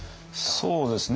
そうですね